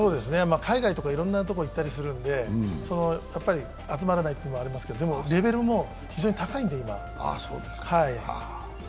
海外とかいろいろなところ行ったりするんで集まらないのもありますけどでも、レベルも非常に今、高いんで。